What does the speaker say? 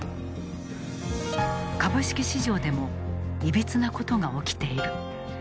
株式市場でもいびつなことが起きている。